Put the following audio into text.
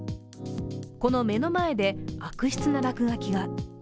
この目の前で悪質な落書きが。